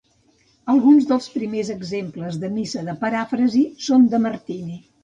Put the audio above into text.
Alguns dels primers exemples de missa de paràfrasi són de Martini.